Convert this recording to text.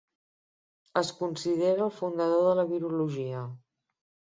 Es considera el fundador de la virologia.